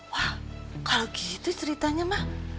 wah kalau gitu ceritanya mah